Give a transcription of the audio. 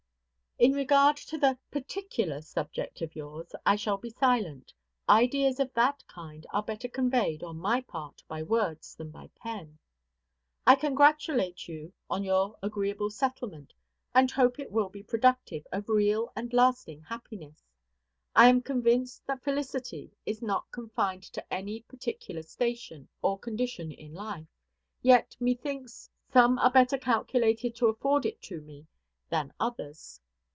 In regard to the particular subject of yours, I shall be silent. Ideas of that kind are better conveyed, on my part, by words than by the pen. I congratulate you on your agreeable settlement, and hope it will be productive of real and lasting happiness. I am convinced that felicity is not confined to any particular station or condition in life; yet, methinks, some are better calculated to afford it to me than others.